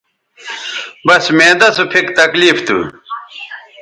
بس معدہ سو پھک تکلیف تھو